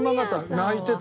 泣いてた。